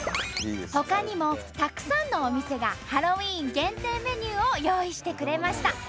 ほかにもたくさんのお店がハロウィーン限定メニューを用意してくれました。